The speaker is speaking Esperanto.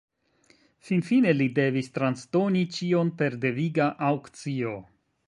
Finfine li devis transdoni ĉion per deviga aŭkcio.